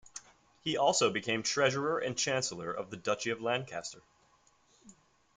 He also became Treasurer and Chancellor of the Duchy of Lancaster.